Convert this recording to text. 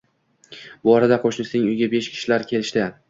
Bu orada qoʻshnisining uyiga besh kishilar kelishdi.